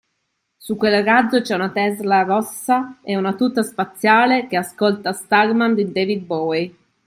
Su quel razzo c’è una Tesla rossa e una tuta spaziale che ascolta Starman di David Bowie.